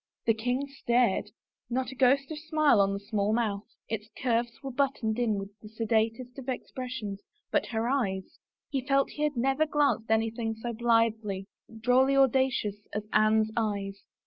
The king stared. Not a ghost of a smile on that small mouth; its curves were buttoned in with the sedatest of expressions but her eyes — he felt he had never glimpsed anything so blithely, drolly audacious, as Anne's eyes.